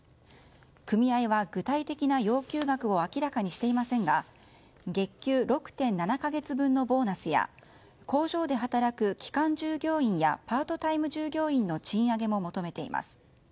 組合は具体的な要求額を明らかにしていませんが月給６．７か月分のボーナスや工場で働く期間従業員やパートタイム従業員の賃上げも求めています。